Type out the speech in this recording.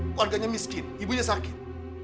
keluarganya miskin ibunya sakit